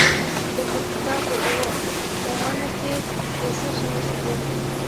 د پکتیکا په اومنه کې د څه شي نښې دي؟